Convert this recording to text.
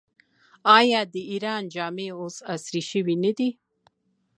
آیا د ایران جامې اوس عصري شوې نه دي؟